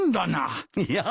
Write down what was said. いや。